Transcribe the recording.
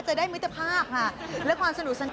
จะได้มิตรภาพค่ะและความสนุกสนาน